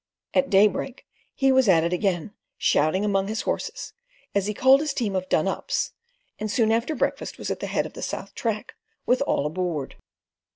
At daybreak he was at it again, shouting among his horses, as he culled his team of "done ups," and soon after breakfast was at the head of the south track with all aboard.